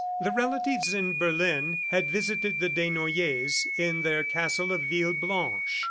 The relatives in Berlin had visited the Desnoyers in their castle of Villeblanche.